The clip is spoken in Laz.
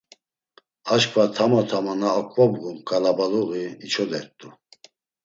Aşǩva tamo tamo na oǩvobğun ǩalabaluği içodert̆u.